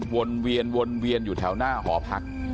วนเวียนอยู่แถวหน้าหอพัก